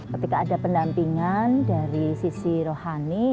ketika ada pendampingan dari sisi rohani